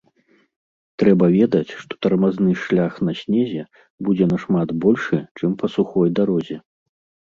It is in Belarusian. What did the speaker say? Трэба ведаць, што тармазны шлях на снезе будзе нашмат большы, чым па сухой дарозе.